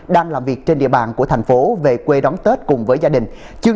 đang làm việc trên địa bàn của thành phố về quê đón tết cùng với gia đình